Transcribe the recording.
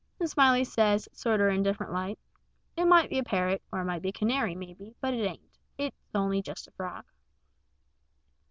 And Smiley says, sorter indifferent like, "It might be a parrot, or it might be a canary, maybe, but it ain't it's only just a frog."